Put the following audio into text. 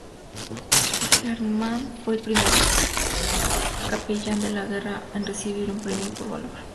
Herman fue el primer capellán de la guerra en recibir un premio por valor.